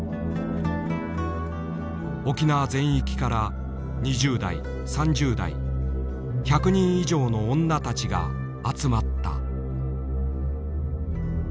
沖縄全域から２０代３０代１００人以上の女たちが集まった。